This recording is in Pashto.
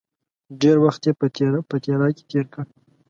ډېر وخت یې په تیراه کې تېر کړ.